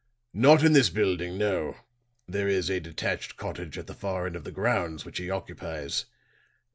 "Not in this building no. There is a detached cottage at the far end of the grounds which he occupies.